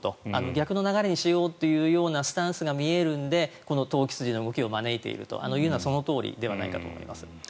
逆の流れにしようというのが見えるので、投機筋の動きを招いているというのはそのとおりだと思います。